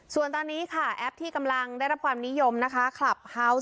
ส่วนตอนนี้ค่ะแอปที่กำลังได้รับความนิยมนะคะคลับเฮาวส์